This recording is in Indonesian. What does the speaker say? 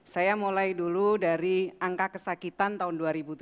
saya mulai dulu dari angka kesakitan tahun dua ribu tujuh belas